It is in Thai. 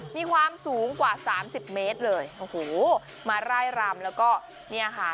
มีความสูงกว่าสามสิบเมตรเลยโอ้โหมาร่ายรำแล้วก็เนี่ยค่ะ